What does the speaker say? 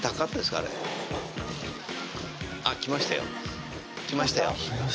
あれあっ来ましたよ来ましたよ